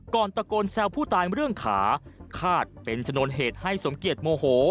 ตะโกนแซวผู้ตายเรื่องขาคาดเป็นชนวนเหตุให้สมเกียจโมโห